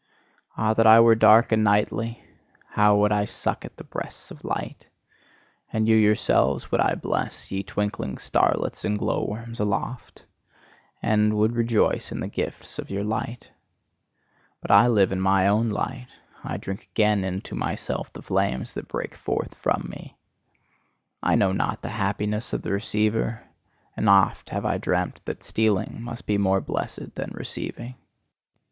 Ah, that I were dark and nightly! How would I suck at the breasts of light! And you yourselves would I bless, ye twinkling starlets and glow worms aloft! and would rejoice in the gifts of your light. But I live in mine own light, I drink again into myself the flames that break forth from me. I know not the happiness of the receiver; and oft have I dreamt that stealing must be more blessed than receiving.